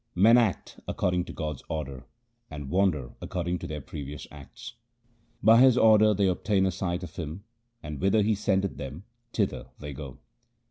Men act according to God's order and wander according to their previous acts. By His order they obtain a sight of Him, and whither He sendeth them thither they go.